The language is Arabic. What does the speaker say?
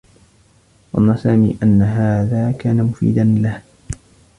ظنّ سامي أنّ هذا كان مفيدا له.